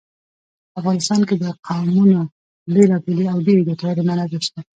په افغانستان کې د قومونه بېلابېلې او ډېرې ګټورې منابع شته.